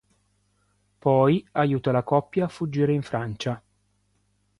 Poi, aiuta la coppia a fuggire in Francia.